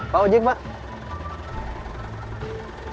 pak ujing pak